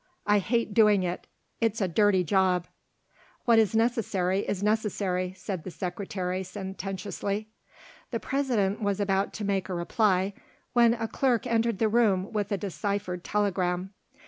"I hate doing it; it's a dirty job." "What is necessary, is necessary," said the Secretary sententiously. The President was about to make a reply when a clerk entered the room with a deciphered telegram.